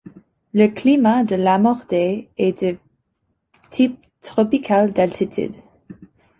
Le climat de Lamordé est de type tropical d'altitude.